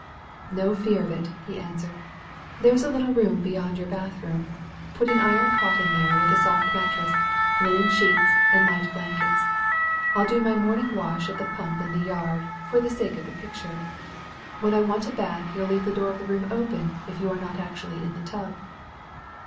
"No fear of it," he answered. "There is a little room beyond your bathroom. Put an iron cot in there, with a soft mattress, linen sheets, and light blankets. I'll do my morning wash at the pump in the yard, for the sake of the picture. When I want a bath you'll leave the door of the room open if you are not actually in the tub.'